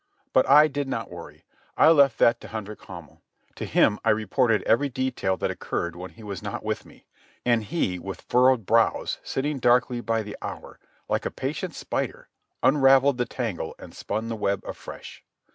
But I did not worry. I left that to Hendrik Hamel. To him I reported every detail that occurred when he was not with me; and he, with furrowed brows, sitting darkling by the hour, like a patient spider unravelled the tangle and spun the web afresh.